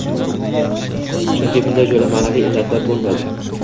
Chunki bunday joyda ma’naviy illatlar bo‘lmaydi.